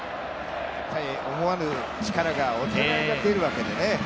思わぬ力がお互いが出るわけでね。